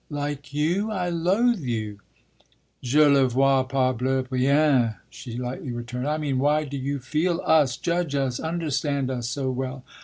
"Like you? I loathe you!" "Je le vois parbleu bien!" she lightly returned. "I mean why do you feel us, judge us, understand us so well?